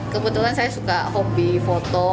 kebetulan saya suka hobi foto